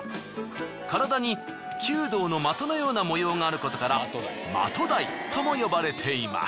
体に弓道の的のような模様があることからマトダイとも呼ばれています。